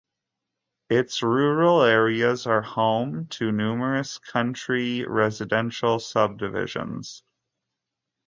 Its rural areas are home to numerous country residential subdivisions.